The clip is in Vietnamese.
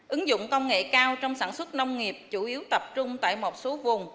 ứng dụng công nghệ cao trong sản xuất nông nghiệp chủ yếu tập trung tại một số vùng